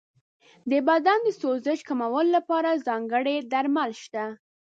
د بدن د سوزش کمولو لپاره ځانګړي درمل شته.